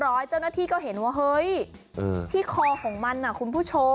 เจ้าหน้าที่ก็เห็นว่าเฮ้ยที่คอของมันคุณผู้ชม